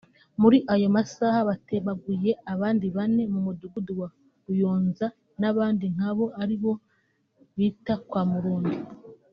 muri ayo masaha batemaguye abadi bane mu mudugudu wa Runyonza n’abandi nkabo aho bita kwa Murundi